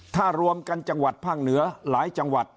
ถ้ารวมกันจังหวัดภาคเหนือหลายจังหวัด